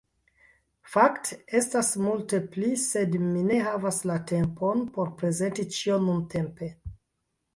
Fakte, estas multe pli sed mi ne havas la tempon por prezenti ĉion nuntempe